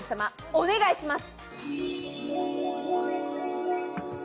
お願いします！